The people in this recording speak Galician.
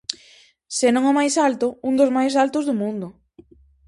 Senón o máis alto, un dos máis altos do mundo.